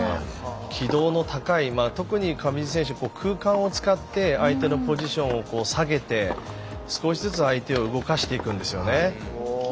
軌道の高い、特に上地選手空間を使って相手のポジションを下げて少しずつ相手を動かしていくんですよね。